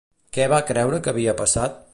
Què va creure que havia passat?